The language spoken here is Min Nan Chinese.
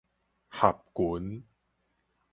合群